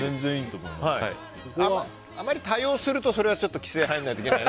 あまり多用するとちょっと規制が入らないと。